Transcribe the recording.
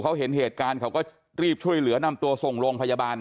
เขาเห็นเหตุการณ์เขาก็รีบช่วยเหลือนำตัวส่งโรงพยาบาล